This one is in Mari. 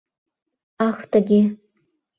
— Ах, тыге!